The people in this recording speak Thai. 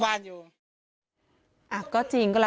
พี่ทีมข่าวของที่รักของ